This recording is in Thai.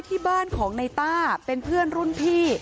ที่บ้านของในต้าเป็นเพื่อนรุ่นพี่